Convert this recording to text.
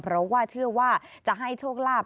เพราะว่าเชื่อว่าจะให้โชคลาภ